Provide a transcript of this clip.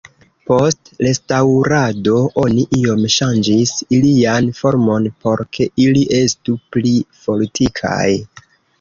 Post restaŭrado oni iom ŝanĝis ilian formon por ke ili estu pli fortikaj.